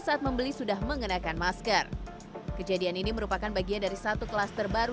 saat membeli sudah mengenakan masker kejadian ini merupakan bagian dari satu klaster baru